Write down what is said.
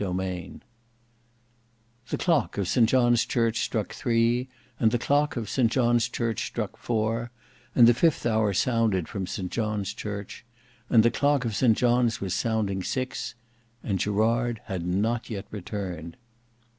Book 5 Chapter 4 The clock of St John's church struck three, and the clock of St John's church struck four; and the fifth hour sounded from St John's church; and the clock of St John's was sounding six. And Gerard had not yet returned.